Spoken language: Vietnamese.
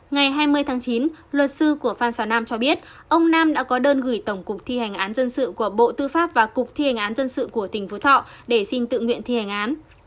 ngày hai mươi tháng chín luật sư của phan xào nam cho biết ông nam đã có đơn gửi tổng cục thi hành án dân sự của bộ tư pháp và cục thi hành án dân sự của tỉnh phú thọ để xin tự nguyện thi hành án